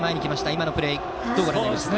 今のプレーどうご覧になりましたか。